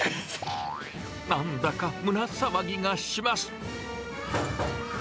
なんだか胸騒ぎがします。